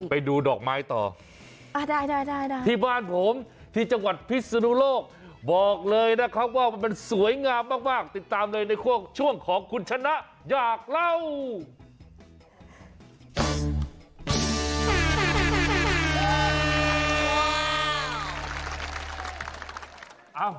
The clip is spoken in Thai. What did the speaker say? ไปดูดอกไม้ต่อที่บ้านผมที่จังหวัดพิศนุโลกบอกเลยนะครับว่ามันสวยงามมากติดตามเลยในช่วงของคุณชนะอยากเล่า